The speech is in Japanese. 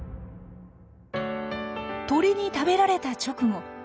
鳥に食べられた直後。